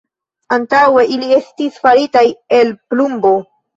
Antaŭe ili estis faritaj el plumbo.